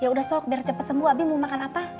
ya udah sok biar cepat sembuh abi mau makan apa